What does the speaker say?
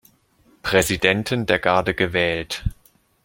Präsidenten der Garde gewählt.